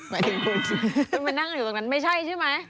มันมานั่งอยู่ตรงนั้นไม่ใช่ใช่ไหม